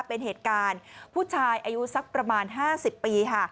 เป็นเหตุการณ์ผู้ชายอายุสักประมาณ๕๐ปีค่ะ